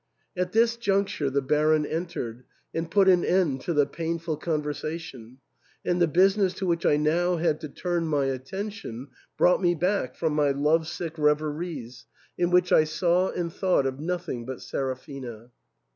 At this juncture the Baron entered, and put an end to the painful conver sation ; and the business to which I now had to turn my attention brought me back from my love sick reveries, in which I saw and thought of nothing but Seraphina.